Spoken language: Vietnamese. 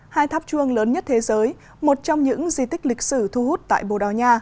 hai tháp chuông lớn nhất thế giới một trong những di tích lịch sử thu hút tại bồ đào nha